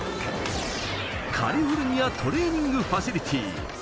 カリフォルニアトレーニングファシリティー。